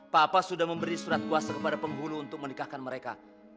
papa sudah memberi surat kuasa kepada penghulu untuk menikahkan mereka